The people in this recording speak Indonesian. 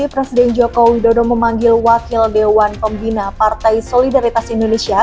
presiden joko widodo memanggil wakil dewan pembina partai solidaritas indonesia